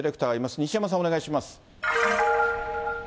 西山さん、お願いします。